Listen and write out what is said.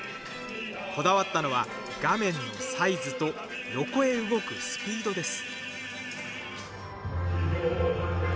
こだわったのは、画面のサイズと横へ動くスピードです。